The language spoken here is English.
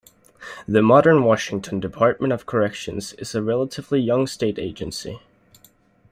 The modern Washington Department of Corrections is a relatively young state agency.